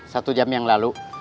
satu jam yang lalu